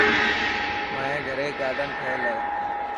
مائي گهري گارڊن ٺهيل هي.